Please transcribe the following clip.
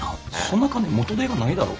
そんな金元手がないだろ。